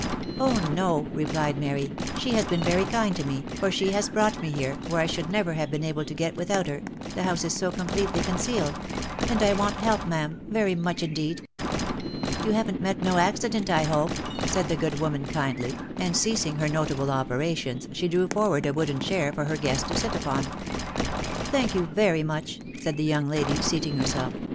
" Oh, no !" replied Mary, " she has been very kind to me, for she has brought me here, where I should never have been able to get with out her, the house is so completely concealed — and I want help, ma'am, very much indeed." " You haven't met no accident, I hope?" said the good woman, kindly, and ceasing her notable operations, she drew forward a wooden chair for her guest to sit upon. " Thank you very much," said the young lady, seating herself.